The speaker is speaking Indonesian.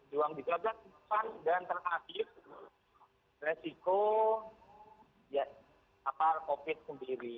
di ruang di bagian dan terhadap resiko apal covid sendiri